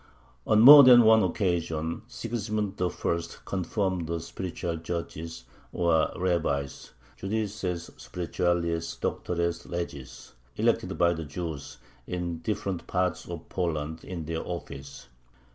On more than one occasion Sigismund I. confirmed the "spiritual judges," or rabbis (judices spirituales, doctores legis), elected by the Jews in different parts of Poland, in their office.